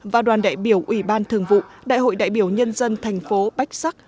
và đoàn đại biểu ủy ban thường vụ đại hội đại biểu nhân dân thành phố bách sắc